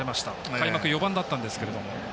開幕４番だったんですが。